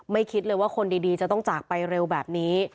คิดเลยว่าคนดีจะต้องจากไปเร็วแบบนี้